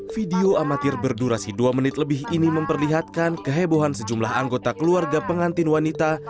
video amatir berdurasi dua menit lebih ini memperlihatkan kehebohan sejumlah anggota keluarga pengantin wanita